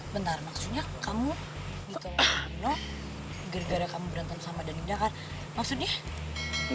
bentar maksudnya kamu ditolong gino gara gara kamu berantem sama dany laka maksudnya